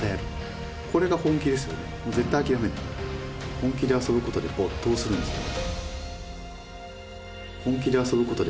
本気で遊ぶことで没頭するんですよね。